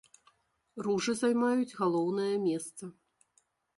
Ружы займаюць галоўнае месца.